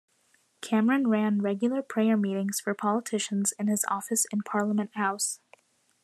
Cameron ran regular prayer meetings for politicians in his office in Parliament House.